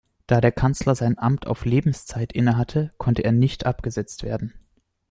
Da der Kanzler sein Amt auf Lebenszeit innehatte, konnte er nicht abgesetzt werden.